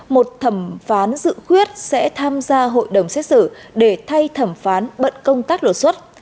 một thẩm phán dự quyết sẽ tham gia hội đồng xét xử để thay thẩm phán bận công tác lột xuất